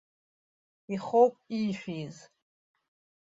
Ихоуп иишәииз.